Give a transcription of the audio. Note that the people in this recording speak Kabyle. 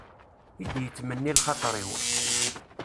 I d-yettmenni lxaṭer-iw.